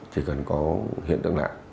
thì cần có hiện tượng lại